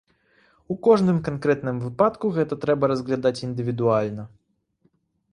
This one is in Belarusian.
У кожным канкрэтным выпадку гэта трэба разглядаць індывідуальна.